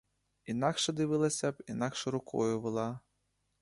Інакше дивилася б, інакше рукою вела.